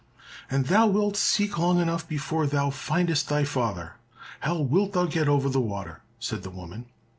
"And thou wilt seek long enough before thou findest thy father. How wilt thou get over the water?" said the woman.